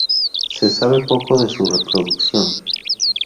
Se sabe poco de su reproducción.